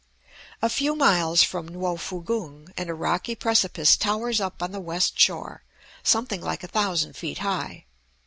A few miles from No foo gong and a rocky precipice towers up on the west shore, something like a thousand feet high.